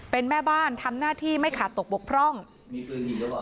เป็นแม่บ้านทำหน้าที่ไม่ขาดตกบกพร่องมีคือหรือเปล่า